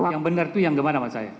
yang benar itu yang bagaimana pak saya